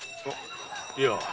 いや。